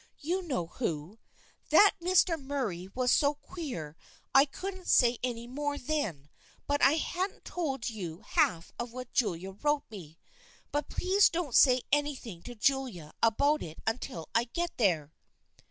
You know who. That Mr. Murray was so queer I couldn't say any more then, but I hadn't told you half of what Julia wrote me. But please don't say anything to Julia about it until I get there."